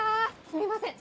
すみません